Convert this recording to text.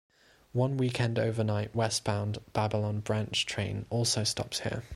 One weekend overnight westbound Babylon Branch train also stops here.